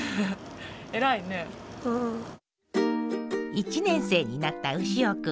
１年生になった潮くん。